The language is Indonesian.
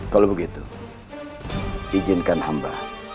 kalau begitu izinkan hamba